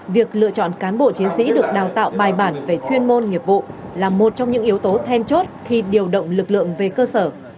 việc lựa chọn cán bộ chiến sĩ được đào tạo bài bản về chuyên môn nghiệp vụ là một trong những yếu tố then chốt khi điều động lực lượng về cơ sở